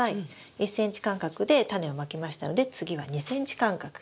１ｃｍ間隔でタネをまきましたので次は２ｃｍ間隔。